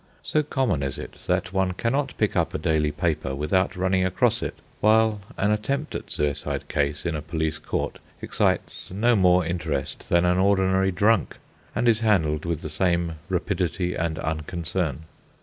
So common is it, that one cannot pick up a daily paper without running across it; while an attempt at suicide case in a police court excites no more interest than an ordinary "drunk," and is handled with the same rapidity and unconcern.